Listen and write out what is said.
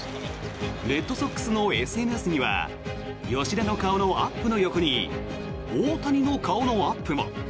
レッドソックスのＳＮＳには吉田の顔のアップの横に大谷の顔のアップも。